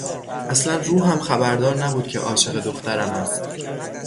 اصلا روحم خبردار نبود که عاشق دخترم است.